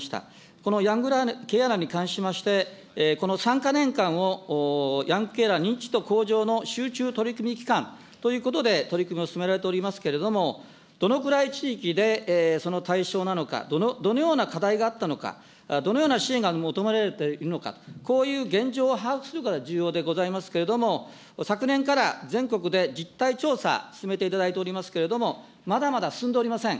このヤングケアラーに関しまして、この３か年間をヤングケアラー認知度向上の集中取り組み期間ということで、取り組みを進められておりますけれども、どのくらい地域でその対象なのか、どのような課題があったのか、どのような支援が求められているのか、こういう現状を把握するのが重要でございますけれども、昨年から全国で実態調査、進めていただいておりますけれども、まだまだ進んでおりません。